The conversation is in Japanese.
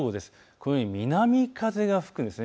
このように南風が吹くんです。